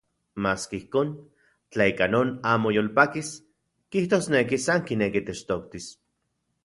Maski ijkon, tla ika non amo yolpakis, kijtosneki san kineki techtoktis.